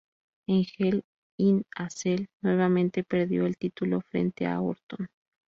En Hell in a Cell nuevamente perdió el título frente a Orton.